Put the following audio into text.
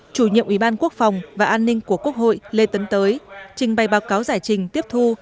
chủ nhiệm ủy ban quốc phòng và an ninh của quốc hội lê tấn tới trình bày báo cáo giải trình tiếp thu